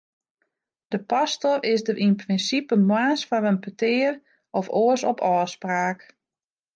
De pastor is der yn prinsipe moarns foar in petear, of oars op ôfspraak.